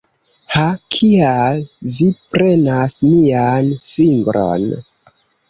Ha... kial vi prenas mian fingron?